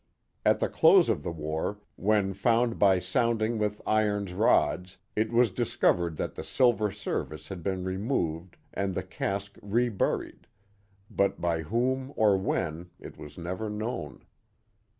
At the close of the war, when found by sounding with irons rods, it was discovered that the silver service had been removed and the cask reburied, but by whom or when it was never known.